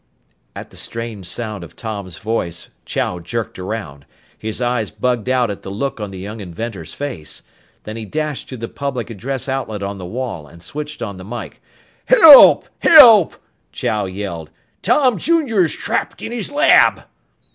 At the strange sound of Tom's voice, Chow jerked around. His eyes bugged out at the look on the young inventor's face. Then he dashed to the public address outlet on the wall and switched on the mike. "Help! Help!" Chow yelled. "Tom Jr.'s trapped in his lab!"